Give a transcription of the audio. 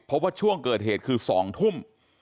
เพราะว่าช่วงเกิดเหตุคือ๒ทุ่ม